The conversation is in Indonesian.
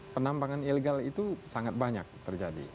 penambangan ilegal itu sangat banyak terjadi